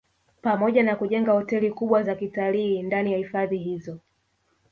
Pamoja na kujenga hoteli kubwa za kitalii ndani ya hifadhi hizo